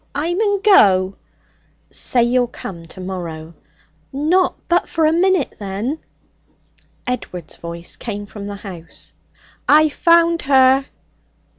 'I mun go!' 'Say you'll come tomorrow.' 'Not but for a minute, then.' Edward's voice came from the house. 'I've found her!'